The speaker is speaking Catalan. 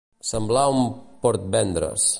Semblar un Portvendres.